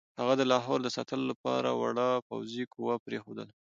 هغه د لاهور د ساتلو لپاره وړه پوځي قوه پرېښودله.